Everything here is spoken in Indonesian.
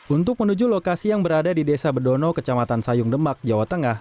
untuk menuju lokasi yang berada di desa bedono kecamatan sayung demak jawa tengah